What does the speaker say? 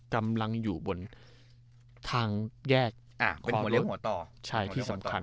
กำลังอยู่บนทางแยกอ่าเป็นหัวเลี้ยหัวต่อใช่ที่สำคัญ